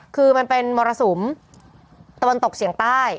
คือมันเป็นมรสุมตะวันตกเฉียงใต้